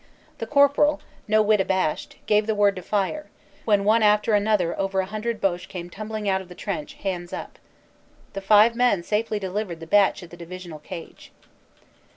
The corporal, no whit abashed, gave the word to fire, when one after another over a hundred Boche came tumbling out of the trench, hands up. The five men safely delivered the batch at the divisional cage.